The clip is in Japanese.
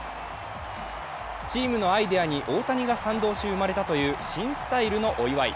チームのアイデアに大谷が賛同し生まれたという新スタイルのお祝い。